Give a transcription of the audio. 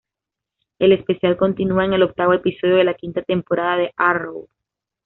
El especial continúa en el octavo episodio de la quinta temporada de Arrow.